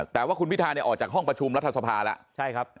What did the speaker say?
แต่ว่าคุณพิทาออกจากห้องประชุมรัฐศภาแล้ว